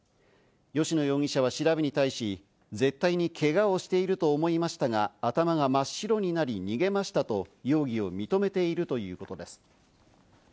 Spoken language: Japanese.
吉野容疑者は調べに対し、絶対にけがをしていると思いましたが、頭が真っ白になり、逃げましたと容疑を認めているということです。